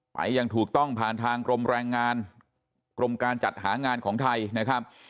อย่างถูกต้องผ่านทางกรมแรงงานกรมการจัดหางานของไทยนะครับ